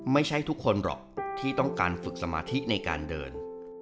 ไม่ใช่ทุกคนหรอกที่ต้องการฝึกสมาธิในการเดิน